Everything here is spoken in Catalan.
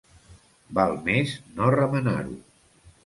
Val més no remenar-ho.